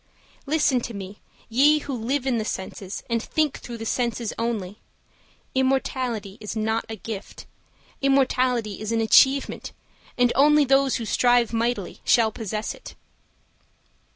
Listen to me, ye who live in the senses And think through the senses only: Immortality is not a gift, Immortality is an achievement; And only those who strive mightily Shall possess it.